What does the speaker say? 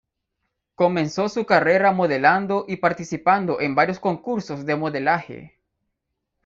Comenzó su carrera modelando y participando en varios concursos de modelaje.